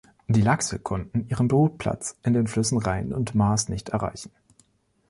Die Lachse konnten ihren Brutplatz in den Flüssen Rhein und Maas nicht erreichen.